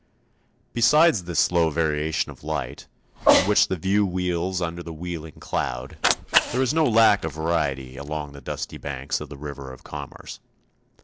[Illustration: Below Bridge.] Besides this slow variation of light, in which the view wheels under the wheeling cloud, there is no lack of variety along the dusky banks of the river of commerce.